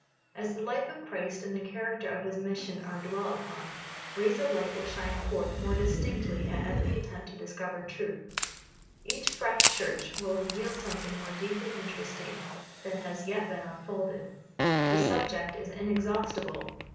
As the life of Christ and the character of His mission are dwelt upon, rays of light will shine forth more distinctly at every attempt to discover truth. Each fresh search will reveal something more deeply interesting than has yet been unfolded. The subject is inexhaustible.